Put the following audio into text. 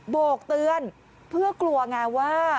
โบกเตือนเพื่อกลัวไงว่า